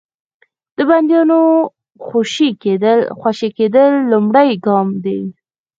د بندیانو خوشي کېدل لومړی ګام دی.